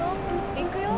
いくよ。